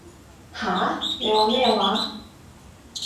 吓？你話咩話？